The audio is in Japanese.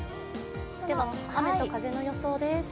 雨と風の予想です。